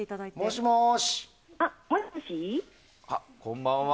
もしもし、こんばんは。